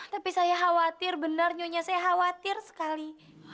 tapi saya khawatir benar nyonya saya khawatir sekali